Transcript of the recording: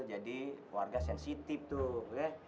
jadi warga sensitif tuh